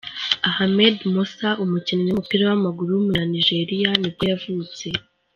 Ahmed Musa, umukinnyi w’umupira w’amaguru w’umunyanigeriya nibwo yavutse.